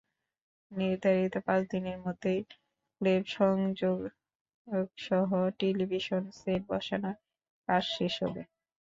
নির্ধারিত পাঁচ দিনের মধ্যেই কেব্ল সংযোগসহ টেলিভিশন সেট বসানোর কাজ শেষ হবে।